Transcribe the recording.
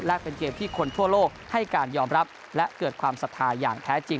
และเป็นเกมที่คนทั่วโลกให้การยอมรับและเกิดความศรัทธาอย่างแท้จริง